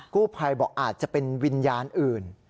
กู้ภัยบอกอาจจะเป็นวิญญาณอื่น